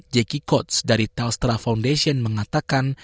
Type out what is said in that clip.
jackie coates dari telstra foundation mengatakan